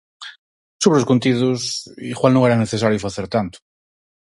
Sobre os contidos... Igual non era necesario facer tanto.